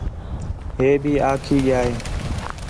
ہے بھی آکھی ڳِیا ہِے